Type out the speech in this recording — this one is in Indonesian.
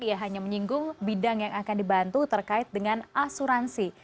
ia hanya menyinggung bidang yang akan dibantu terkait dengan asuransi